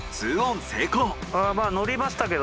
２オン成功。